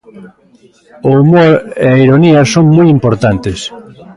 O humor e a ironía son moi importantes.